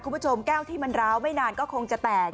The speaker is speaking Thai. คุณผู้ชมแก้วที่มันร้าวไม่นานก็คงจะแตก